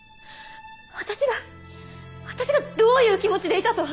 私が私がどういう気持ちでいたと！